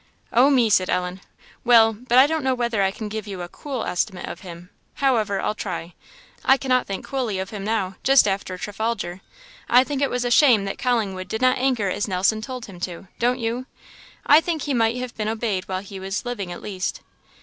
"O me!" said Ellen. "Well but I don't know whether I can give you a cool estimate of him however, I'll try. I cannot think coolly of him now, just after Trafalgar. I think it was a shame that Collingwood did not anchor as Nelson told him to; don't you? I think he might have been obeyed while he was living at least."